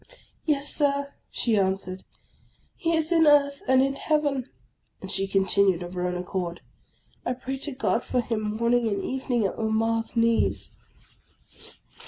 " Yes, Sir," she answered. " He is in earth and in Heaven ;" and she continued of her own accord, " I pray to God for him morning and evening at mamma's knees."